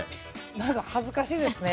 何か恥ずかしいですね。